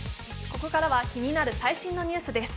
ここからは気になる最新のニュースです。